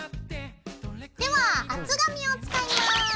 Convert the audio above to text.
では厚紙を使います。